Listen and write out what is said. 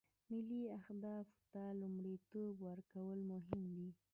ملي اهدافو ته لومړیتوب ورکول مهم دي